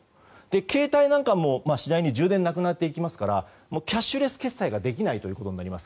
携帯なんかも、次第に充電がなくなってきますからキャッシュレス決済ができないことになります。